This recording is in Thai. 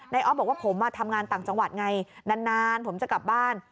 ออฟบอกว่าผมทำงานต่างจังหวัดไงนานผมจะกลับบ้าน